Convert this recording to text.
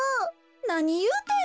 なにいうてんねん。